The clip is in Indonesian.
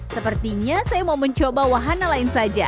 sepertinya saya mau mencoba wahana lain saja